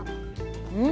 うん？